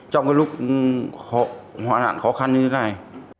trong lúc họa nạn khó khăn như thế này